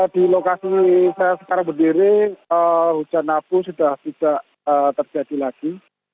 di lokasi saya sekarang berdiri hujan abu sudah tidak terjadi lagi